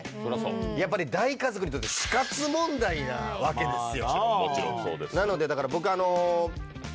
やっぱり大家族にとって死活問題なわけですよ。